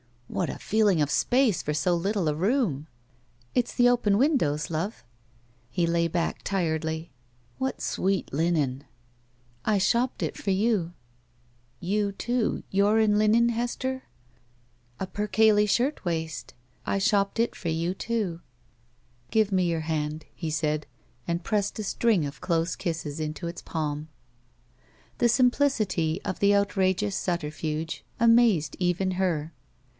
What a feeling of space for so little a rooni!" It's the open windows, love." He lay back tiredly. What sweet linen!" I shopped it for you." "You, too — ^you're in linen, Hester?" "A percale shirt waist. I shopped it for you, too." "Give me your hand," he said, and pressed a string of close kisses into its palm. The simplicity of the outrageous subterfuge amazed even her.